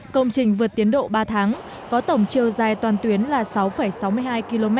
công trình vượt tiến độ ba tháng có tổng chiều dài toàn tuyến là sáu sáu mươi hai km